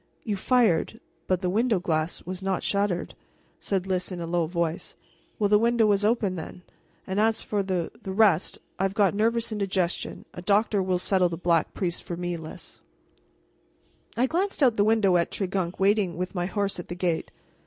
"You fired but the window glass was not shattered," said Lys in a low voice. "Well, the window was open, then. And as for the the rest I've got nervous indigestion, and a doctor will settle the Black Priest for me, Lys." I glanced out of the window at Tregunc waiting with my horse at the gate.